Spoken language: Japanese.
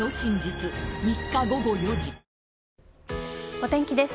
お天気です。